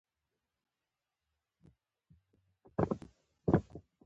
خو بیا یې هم له انسان سره رښتیا کوله.